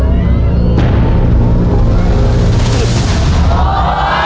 สวัสดีครับ